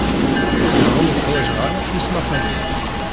Qqleɣ ur ḥwajeɣ ara tismaqqalin.